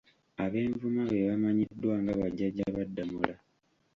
Abenvuma be bamanyiddwa nga bajjajja ba Ddamula.